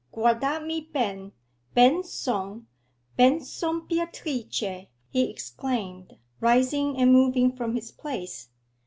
'Guardami ben: ben son, ben son Beatrice!' he exclaimed, rising and moving from his place.